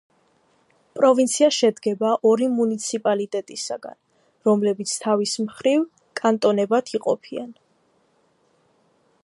პროვინცია შედგება ორი მუნიციპალიტეტისაგან, რომლებიც თავის მხრივ კანტონებად იყოფიან.